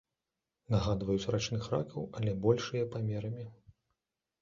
Нагадваюць рачных ракаў, але большыя памерамі.